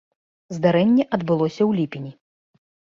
Здарэнне адбылося ў ліпені.